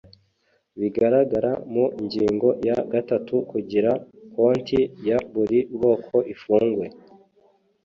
bigaragara mu ingingo ya gatatu kugira konti ya buri bwoko ifungwe